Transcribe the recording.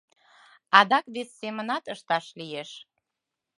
Адак вес семынат ышташ лиеш.